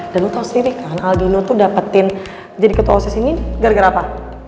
dan lo tau sendiri kan aldino tuh dapetin jadi ketua osis ini gara gara apa